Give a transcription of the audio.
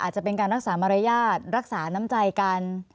อาจจะเป็นการรักษามารยาทรักษาน้ำใจกัน